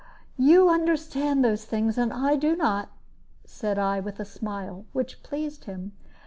"You understand those things, and I do not," said I, with a smile, which pleased him.